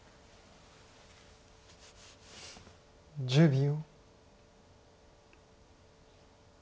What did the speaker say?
１０秒。